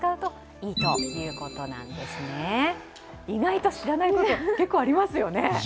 意外と知らないこと、結構ありますよね。